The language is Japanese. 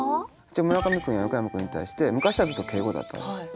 村上君や横山君に対して昔はずっと敬語だったんですよ。